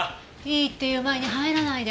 いいって言う前に入らないで。